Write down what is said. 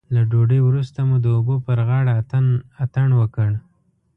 له ډوډۍ وروسته مو د اوبو پر غاړه اتڼ وکړ.